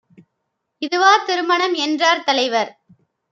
இதுவா திருமணம் என்றார் தலைவர்.